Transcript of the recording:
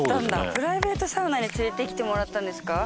プライベートサウナに連れてきてもらったんですか？